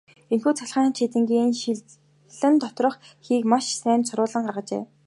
Энэхүү цахилгаан чийдэнгийн шилэн доторх хийг маш сайн соруулан гаргажээ.